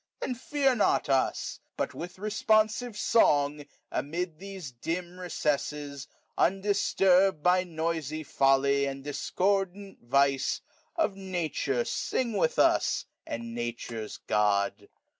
^^ Then fear not us; but with responsive song^ '^ Amid these dim recesses, undisturbed ^ By noisy foUy and discordant vice, ^^ Of Nature sing with us, and Nature's Gon..